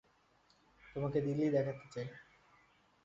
তোমাকে দিল্লি দেখাতে চাই।